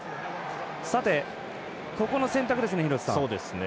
ここの選択ですね、廣瀬さん。